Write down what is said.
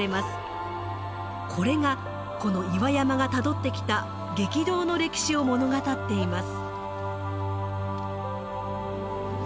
これがこの岩山がたどってきた激動の歴史を物語っています。